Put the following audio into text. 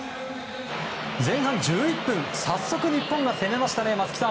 前半１１分早速日本が攻めましたね。